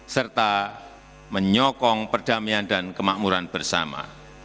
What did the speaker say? serta menyokong perdamaian dan kemakmuran bersama